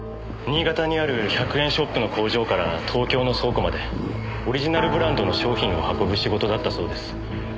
新潟にある１００円ショップの工場から東京の倉庫までオリジナルブランドの商品を運ぶ仕事だったそうです。